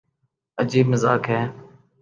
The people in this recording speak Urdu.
عجیب مذاق ہے۔